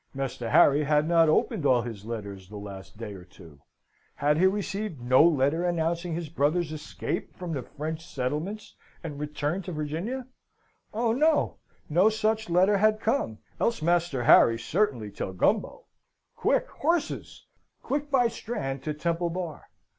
Master Harry had not opened all his letters the last day or two. Had he received no letter announcing his brother's escape from the French settlements and return to Virginia? Oh no! No such letter had come, else Master Harry certainly tell Gumbo. Quick, horses! Quick by Strand to Temple Bar!